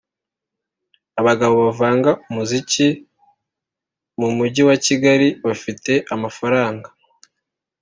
Abagabo bavanga umuziki mu umujyi wa Kigali bafite amafaranga